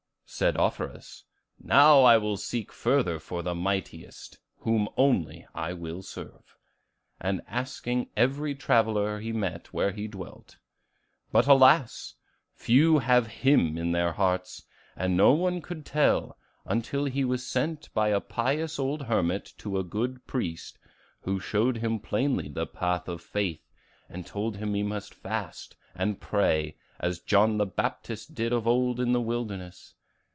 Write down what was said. Said Offerus, 'Now will I seek further for the mightiest, whom only I will serve,' and asking every traveller he met where he dwelt. But alas! few have Him in their hearts, and no one could tell, until he was sent by a pious old hermit to a good priest, who showed him plainly the path of faith, and told him he must fast and pray, as John the Baptist did of old in the wilderness.